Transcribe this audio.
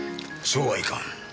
そうはいかん。